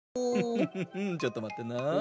フフフフちょっとまってな。